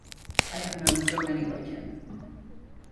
I have known so many like him.